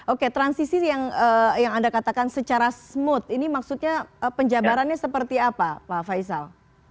oke transisi yang anda katakan secara smooth ini maksudnya penjabarannya seperti apa pak faisal